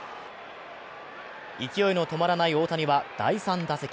勢いの止まらない大谷は第３打席。